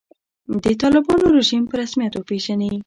د طالبانو رژیم په رسمیت وپېژني.